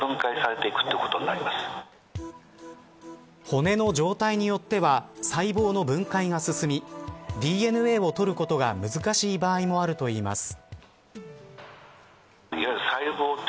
骨の状態によっては細胞の分解が進みＤＮＡをとることが難しい場合もあるといいます。